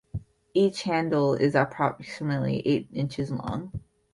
Each handle is approximately eight inches long.